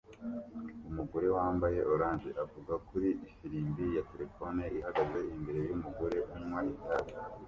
Umugore wambaye orange avuga kuri ifirimbi ya terefone ihagaze imbere yumugore unywa itabi